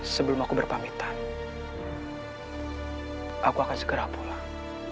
sebelum aku berpamitan aku akan segera pulang